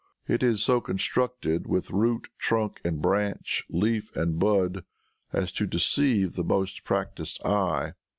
It is so constructed with root, trunk and branch, leaf and bud as to deceive the most practiced eye.